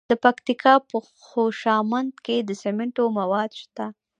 د پکتیکا په خوشامند کې د سمنټو مواد شته.